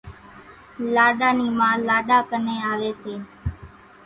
لاڏا نِي ما لاڏا ڪنين آوي سي